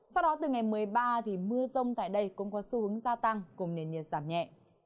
sau đó từ ngày một mươi ba thì mưa rông tại đây cũng có xu hướng gia tăng cùng nền nhiệt giảm nhẹ